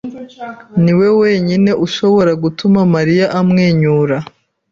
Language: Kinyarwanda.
niwe wenyine ushobora gutuma Mariya amwenyura.